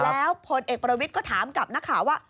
แล้วพลเอกประวิทย์ก็ถามกับนักข่าวว่า